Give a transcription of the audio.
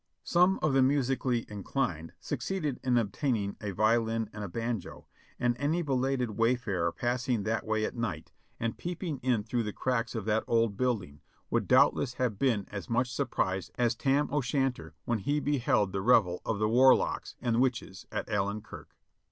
Some of the musically inclined succeeded in obtaining a violin and a banjo, and any belated wayfarer passing that way at night and peeping in through the cracks of that old building would doubtless have been as much surprised as Tam O'Shanter when he beheld the revel of the warlocks and witches at Allen Kirk.